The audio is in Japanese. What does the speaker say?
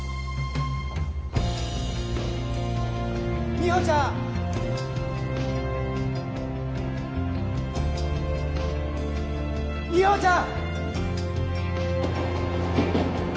美穂ちゃん美穂ちゃん！